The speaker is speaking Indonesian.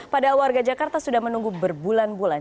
padahal warga jakarta sudah menunggu berbulan bulan